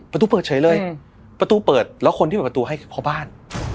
ประตูเปิดเฉยเลยประตูเปิดแล้วคนที่เปิดประตูให้คือเขาบ้าน